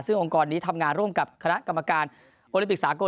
ซึ่งองค์กรนี้ทำงานร่วมกับคณะกรรมการโอลิมปิกสากล